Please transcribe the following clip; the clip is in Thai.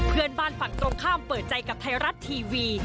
เพื่อนบ้านฝั่งตรงข้ามเปิดใจกับไทยรัฐทีวี